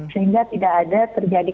sehingga tidak ada terjadi